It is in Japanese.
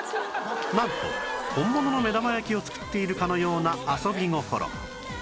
なんと本物の目玉焼きを作っているかのような遊び心